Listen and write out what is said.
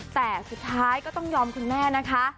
แต่สุดท้ายก็ต้องยอมคุณแม่นะคะ